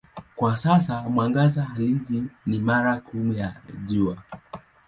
Kwa sasa mwangaza halisi ni mara kumi ya Jua.